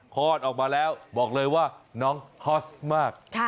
คลอดออกมาแล้วบอกเลยว่าน้องฮอสมาก